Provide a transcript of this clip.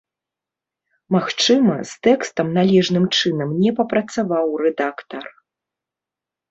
Магчыма, з тэкстам належным чынам не папрацаваў рэдактар.